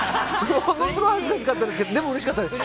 ものすごい恥ずかしかったけどでも、うれしかったです。